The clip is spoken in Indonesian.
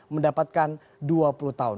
mendapatkan dua puluh tahun